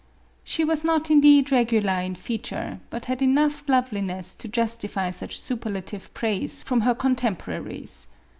She was not indeed regular in feature, but had enough loveliness to justify such superlative praise from her contemporaries.